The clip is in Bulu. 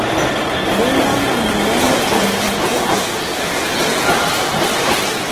Be nga mane lôn Ojambô'a.